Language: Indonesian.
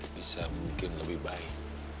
bisa mungkin lebih baik